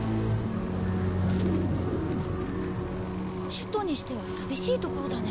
首都にしては寂しい所だね。